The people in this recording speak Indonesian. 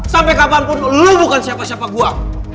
sampai kapanpun lu bukan siapa siapa gue